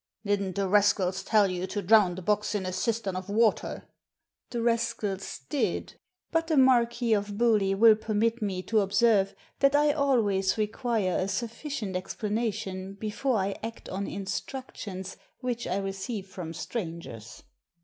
" Didn't the rascals tell you to drown the box in a cistern of water?" "The rascals did. But the Marquis of Bewlay will permit me to observe that I always require a sufficient explanation before I act on instructions which I receive from strangers."